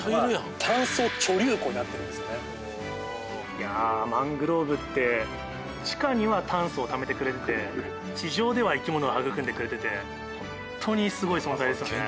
いやマングローブって地下には炭素をためてくれてて地上では生き物を育んでくれてて本当にすごい存在ですよね。